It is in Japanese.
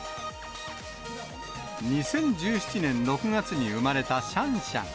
２０１７年６月に生まれたシャンシャン。